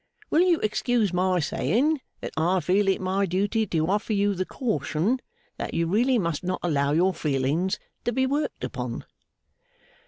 Will you excuse my saying that I feel it my duty to offer you the caution, that you really must not allow your feelings to be worked upon?